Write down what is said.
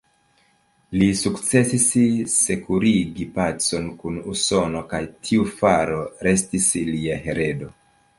Li sukcesis sekurigi pacon kun Usono kaj tiu faro restis lia heredo.